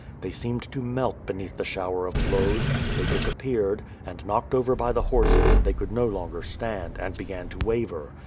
They seemed to melt beneath the shower of blows; they disappeared; and, knocked over by the horses, th ey could no longer stand, and began to waver.